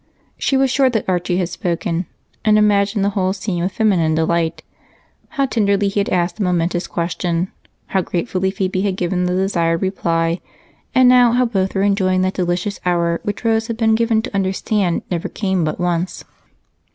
She was sure that Archie had spoken and imagined the whole scene with feminine delight how tenderly he had asked the momentous question, how gratefully Phebe had given the desired reply, and now how both were enjoying that delicious hour which Rose had been given to understand never came but once.